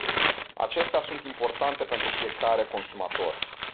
Acestea sunt importante pentru fiecare consumator.